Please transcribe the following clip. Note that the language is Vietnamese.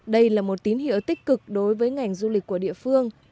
đây là một tín hiệu tích cực đối với ngành du lịch của địa phương